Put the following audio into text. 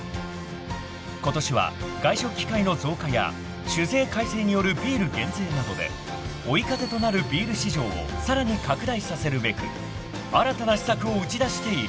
［ことしは外食機会の増加や酒税改正によるビール減税などで追い風となるビール市場をさらに拡大させるべく新たな施策を打ち出している］